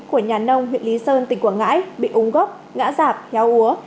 của nhà nông huyện lý sơn tỉnh quảng ngãi bị ung gốc ngã giảp héo úa